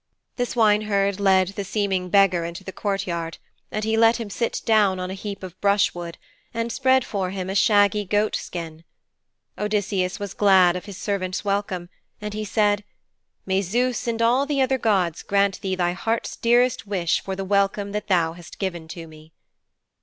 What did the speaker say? The swineherd led the seeming beggar into the courtyard, and he let him sit down on a heap of brushwood, and spread for him a shaggy goat skin. Odysseus was glad of his servant's welcome, and he said, 'May Zeus and all the other gods grant thee thy heart's dearest wish for the welcome that thou hast given to me.'